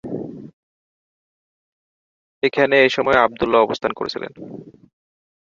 এখানে এসময় আবদুল্লাহ অবস্থান করছিলেন।